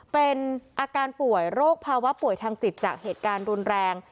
เป็นอาการป่วยโรคภาวะป่วยทางจิตจากเหตุการณ์รุนแรง